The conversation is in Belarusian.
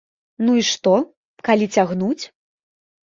Ну і што, калі цягнуць?